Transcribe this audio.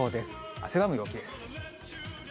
汗ばむ陽気です。